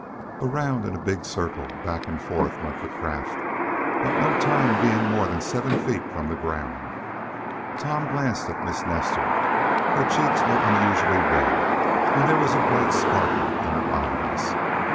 Around in a big circle, back and forth went the craft, at no time being more than seven feet from the ground. Tom glanced at Miss Nestor. Her cheeks were unusually red, and there was a bright sparkle in her eyes.